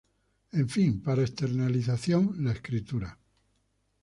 En fin, para externalización, la escritura.